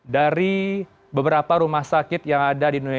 dari beberapa rumah sakit yang ada di indonesia